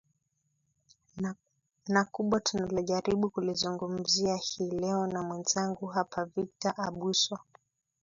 na kubwa tunalojaribu kulizungumzia hii leo na mwenzangu hapa victor abuso